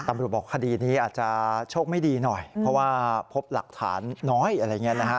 บอกคดีนี้อาจจะโชคไม่ดีหน่อยเพราะว่าพบหลักฐานน้อยอะไรอย่างนี้นะฮะ